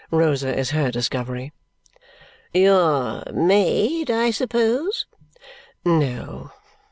Rosa is her discovery." "Your maid, I suppose?" "No.